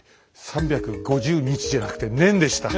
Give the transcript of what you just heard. ３５０「日」じゃなくて「年」でした。